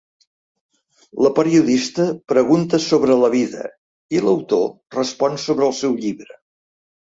La periodista pregunta sobre la vida i l'autor respon sobre el seu llibre.